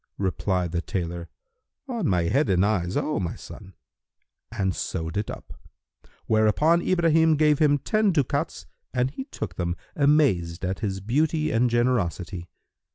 Replied the tailor, "On my head and eyes, O my son," and sewed it up; whereupon Ibrahim gave him ten ducats and he took them, amazed at his beauty and generosity.